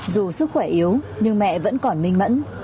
dù sức khỏe yếu nhưng mẹ vẫn còn minh mẫn